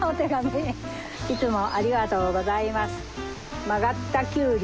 「いつもありがとうございますまがったＱり」。